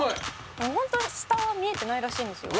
「ホントに下は見えてないらしいんですよ」